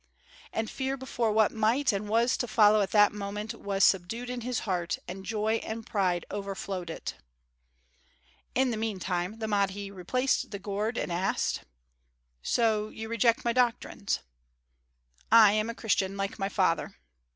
And fear before what might and was to follow at that moment was subdued in his heart, and joy and pride overflowed it. In the meantime the Mahdi replaced the gourd and asked: "So, you reject my doctrines?" "I am a Christian like my father."